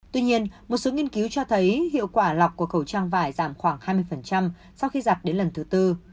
tuy nhiên một số nghiên cứu cho thấy hiệu quả lọc của khẩu trang vải giảm khoảng hai mươi sau khi giặt đến lần thứ tư